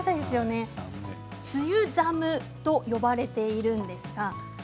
梅雨寒と呼ばれているんです。